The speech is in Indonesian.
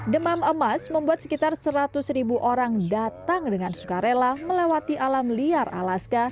demam emas membuat sekitar seratus ribu orang datang dengan suka rela melewati alam liar alaska